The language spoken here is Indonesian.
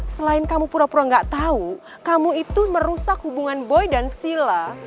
selain kamu pura pura gak tahu kamu itu merusak hubungan boy dan sila